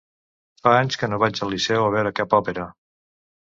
Fa anys que no vaig al Liceu a veure cap òpera.